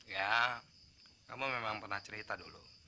ya kamu memang pernah cerita dulu